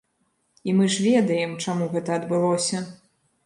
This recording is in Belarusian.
І мы ж ведаем, чаму гэта адбылося.